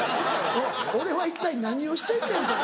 「俺は一体何をしてんねん」とか。